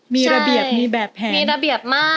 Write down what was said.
มีระเบียบมีแบบแผนมีระเบียบมาก